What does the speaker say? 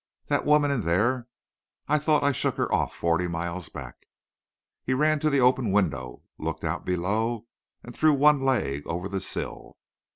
That woman in there! I thought I shook her off forty miles back." He ran to the open window, looked out below, and threw one leg over the sill.